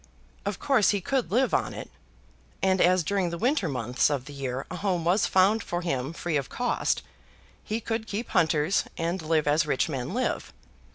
Of course he could live on it, and as during the winter months of the year a home was found for him free of cost, he could keep hunters, and live as rich men live.